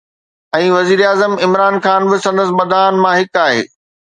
۽ وزيراعظم عمران خان به سندس مداحن مان هڪ آهي